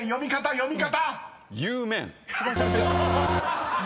読み方！